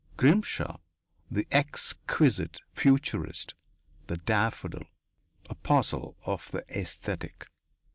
Grimshaw the exquisite futurist, the daffodil, apostle of the aesthetic!